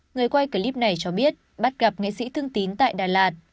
người quay clip này cho biết bắt gặp nghệ sĩ thương tín tại đà lạt